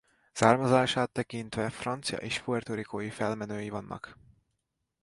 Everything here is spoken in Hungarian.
Származását tekintve francia és puerto-ricói felmenői vannak.